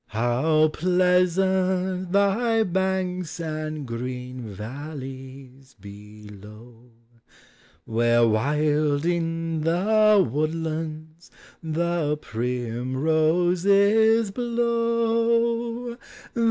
203 How pleasant thy banks and green valleys below, Where wild in the woodlands the primroses blow!